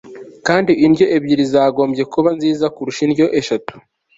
kandi indyo ebyiri zagombye kuba nziza kurusha indyo eshatu